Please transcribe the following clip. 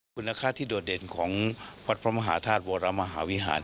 คุณค่าที่โดดเด่นของวัดพระมหาธาตุวรมหาวิหาร